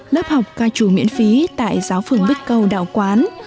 lớp học ca trù miễn phí tại giáo phường bích câu đạo quán